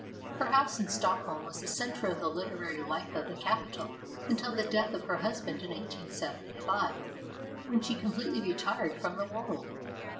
Her house in Stockholm was the centre of the literary life of the capital until the death of her husband in 1875, when she completely retired from the world.